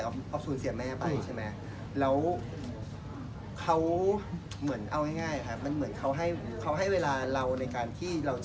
คือเขาไม่มีเวลาให้เรา